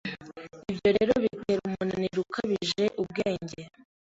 byo rero bitera umunaniro ukabije ubwenge,